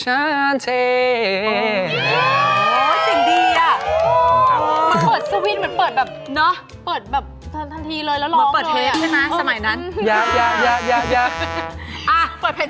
กว้างดัน